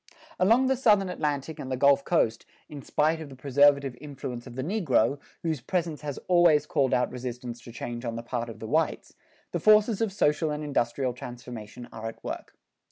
Along the Southern Atlantic and the Gulf coast, in spite of the preservative influence of the negro, whose presence has always called out resistance to change on the part of the whites, the forces of social and industrial transformation are at work.